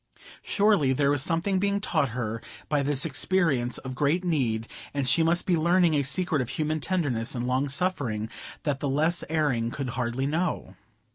Surely there was something being taught her by this experience of great need; and she must be learning a secret of human tenderness and long suffering, that the less erring could hardly know?